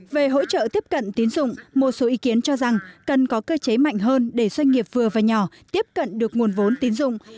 về hỗ trợ tiếp cận tín dụng một số ý kiến cho rằng cần có cơ chế mạnh hơn để doanh nghiệp vừa và nhỏ tiếp cận được nguồn vốn tín dụng